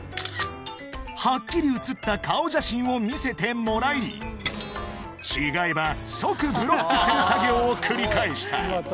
ハッキリ写った顔写真を見せてもらい違えば即ブロックする作業を繰り返した